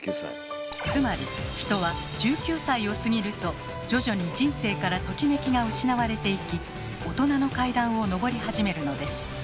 つまり人は１９歳を過ぎると徐々に人生からトキメキが失われていき大人の階段を上り始めるのです。